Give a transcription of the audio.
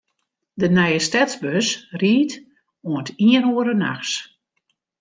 De nije stedsbus rydt oant iene oere nachts.